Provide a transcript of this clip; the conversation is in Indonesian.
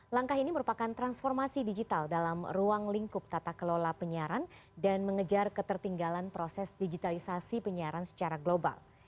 langkah ini merupakan transformasi digital dalam ruang lingkup tata kelola penyiaran dan mengejar ketertinggalan proses digitalisasi penyiaran secara global